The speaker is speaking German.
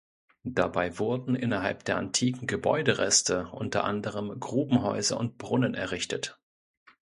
Dabei wurden innerhalb der antiken Gebäudereste unter anderem Grubenhäuser und Brunnen errichtet.